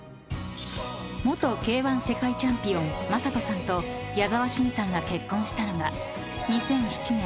［元Ｋ−１世界チャンピオン魔裟斗さんと矢沢心さんが結婚したのが２００７年。